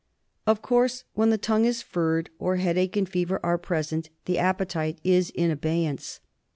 Of course when the tongue is furred, or headache and •fever are present, the appetite is in abeyance.